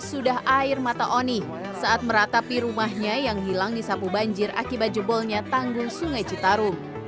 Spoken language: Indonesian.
habis sudah air mata oni saat meratapi rumahnya yang hilang disapu banjir akibat jebolnya tanggul sungai citarung